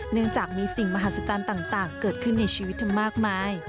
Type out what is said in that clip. เนื่องจากมีสิ่งมหัศจรรย์ต่างเกิดขึ้นในชีวิตเธอมากมาย